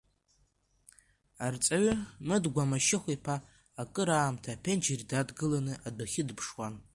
Арҵаҩы, Мыдгәа Машьыхә-иԥа, акыраамҭа аԥенџьыр дадгыланы адәахьы дыԥшуан.